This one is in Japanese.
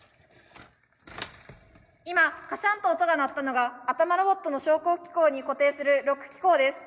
今カシャンと音が鳴ったのがあたまロボットの昇降機構に固定するロック機構です。